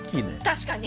確かに。